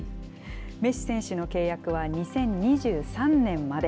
メッシ選手の契約は２０２３年まで。